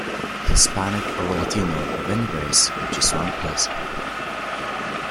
Hispanic or Latino of any race which is one person.